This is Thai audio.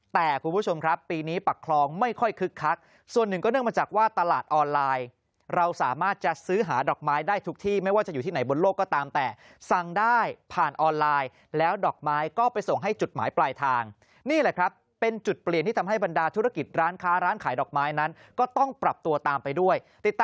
แต่คุณผู้ชมครับปีนี้ปักคลองไม่ค่อยคึกคักส่วนหนึ่งก็เนื่องมาจากว่าตลาดออนไลน์เราสามารถจะซื้อหาดอกไม้ได้ทุกที่ไม่ว่าจะอยู่ที่ไหนบนโลกก็ตามแต่สั่งได้ผ่านออนไลน์แล้วดอกไม้ก็ไปส่งให้จุดหมายปลายทางนี่แหละครับเป็นจุดเปลี่ยนที่ทำให้บรรดาธุรกิจร้านค้าร้านขายดอกไม้นั้นก็ต้องปรับตัวตามไปด้วยติดต่อ